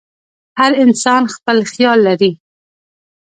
هر انسان خپل خیال لري.